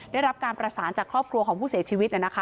ได้รับการประสานจากครอบครัวของผู้เสียชีวิต